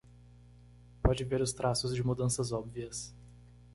Pode ver os traços de mudanças óbvias